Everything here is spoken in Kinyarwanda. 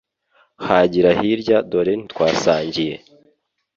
hagira hirya dore ntitwasangiye